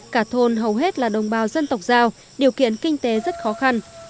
cả thôn hầu hết là đồng bào dân tộc giao điều kiện kinh tế rất khó khăn